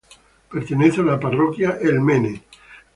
Pertenece a la Parroquia El Mene.